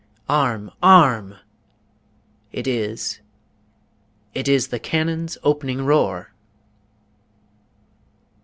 Arm, ARM! it is it is the cannon's opening roar!